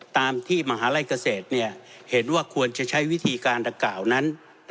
ตามที่มหาลัยเกษตรเห็นว่าควรจะใช้วิธีการดังกล่าวนั้น